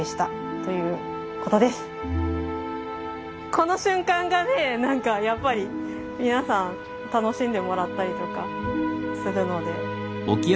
この瞬間がね何かやっぱり皆さん楽しんでもらったりとかするので。